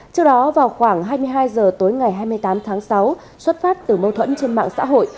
trước đó vào khoảng hai mươi hai h tối ngày hai mươi tám tháng sáu xuất phát từ mâu thuẫn trên mạng xã hội